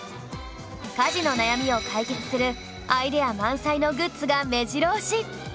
家事の悩みを解決するアイデア満載のグッズがめじろ押し！